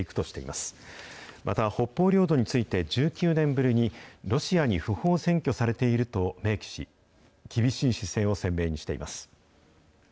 また、北方領土について、１９年ぶりに、ロシアに不法占拠されていると明記し、厳しい姿勢を鮮明にしています。